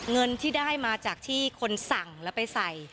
เงินที่ได้มาจากที่คนสั่งแล้วไปใส่